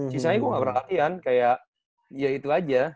sisanya gue gak pernah latihan kayak ya itu aja